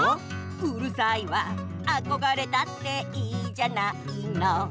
「うるさいわあこがれたっていいじゃないの！」